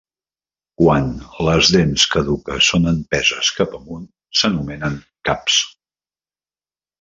Quan les dents caduques són empeses cap amunt, s'anomenen "caps".